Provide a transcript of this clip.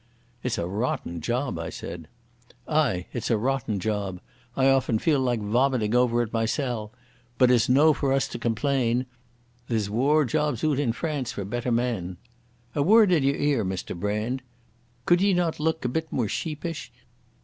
"It's a rotten job," I said. "Ay, it's a rotten job. I often feel like vomiting over it mysel'. But it's no for us to complain. There's waur jobs oot in France for better men.... A word in your ear, Mr Brand. Could ye not look a bit more sheepish?